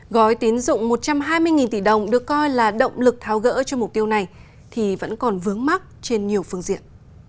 gói tín dụng một trăm hai mươi tỷ đồng được coi là động lực tháo gỡ cho mục tiêu này thì vẫn còn vướng mắt trên nhiều phương diện